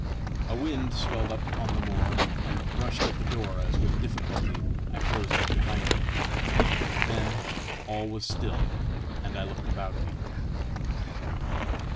A wind swelled up on the moor, and rushed at the door as with difficulty I closed it behind me. Then all was still, and I looked about me.